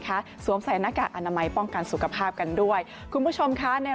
สวมใส่หน้ากากอนามัยป้องกันสุขภาพกันด้วยคุณผู้ชมคะใน